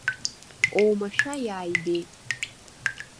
Оумашәа иааибеит.